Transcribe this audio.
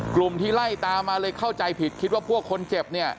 กลุ่มที่ไล่ตามมาเลยเข้าใจผิดคิดว่าพวกคนเจ็บเนี่ย